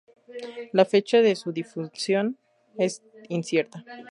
La fecha de su defunción es incierta.